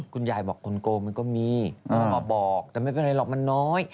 คุณยายบอกคนโกงมันก็มีก็มาบอกแต่ไม่เป็นไรหรอกมันน้อย